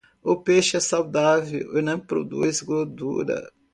O peixe é saudável e não produz gordura.